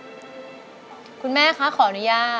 ทั้งในเรื่องของการทำงานเคยทำนานแล้วเกิดปัญหาน้อย